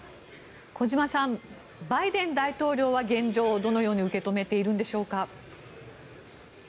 小島さんバイデン大統領は現状をどのように受け止めているのでしょうか。